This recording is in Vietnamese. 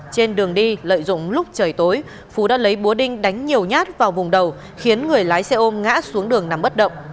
trên đường đi lợi dụng lúc trời tối phú đã lấy búa đinh đánh nhiều nhát vào vùng đầu khiến người lái xe ôm ngã xuống đường nằm bất động